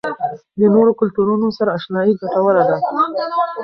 د نورو کلتورونو سره آشنايي ګټوره ده.